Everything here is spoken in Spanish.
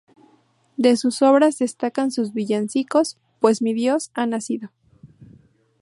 De sus obras destacan sus villancicos "Pues mi Dios ha nacido".